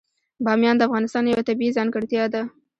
بامیان د افغانستان یوه طبیعي ځانګړتیا ده.